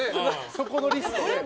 そこのリスト。